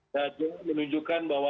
dan menunjukkan bahwa